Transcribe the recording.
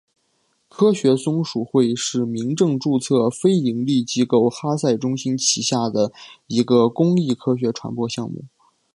科学松鼠会是民政注册非营利机构哈赛中心旗下的一个公益科学传播项目。